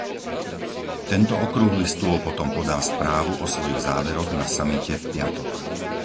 Tento okrúhly stôl potom podá správu o svojich záveroch na samite v piatok.